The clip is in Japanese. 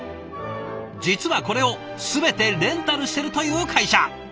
実はこれを全てレンタルしてるという会社。